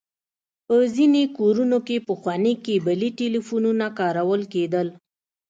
په ځينې کورونو کې پخواني کيبلي ټليفونونه کارول کېدل.